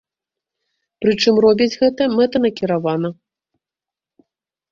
Прычым робяць гэта мэтанакіравана.